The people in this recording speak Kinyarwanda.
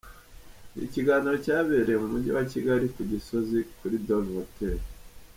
Ni ikiganiro cyabereye mu Mujyi wa Kigali, ku Gisozi, kuri Dove Hotel .